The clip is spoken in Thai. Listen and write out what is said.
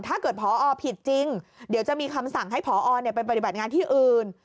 ถ้าเกิดพอผิดจริงเดี๋ยวจะมีคำสั่งให้พอไปปฏิบัติงานที่อื่น